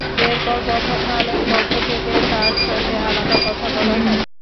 এরপর প্রথম আলোর পক্ষ থেকে তাঁর সঙ্গে আলাদা কথা বলা হয়।